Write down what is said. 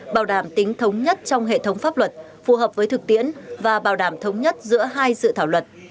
bảo đảm tính thống nhất trong hệ thống pháp luật phù hợp với thực tiễn và bảo đảm thống nhất giữa hai dự thảo luật